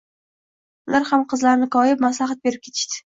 Ular ham qizlarini koyib, maslahat berib ketishdi